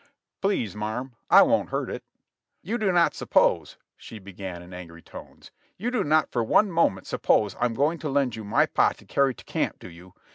"Please, marm, I won't hurt it." "You do not suppose," she began in angry tones, "you do not for one moment suppose I am going to lend you my pot to carry to camp, do you?